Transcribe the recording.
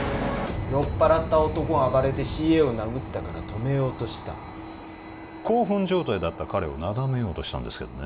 酔っ払った男が暴れてＣＡを殴ったから止めようとした興奮状態だった彼をなだめようとしたんですけどね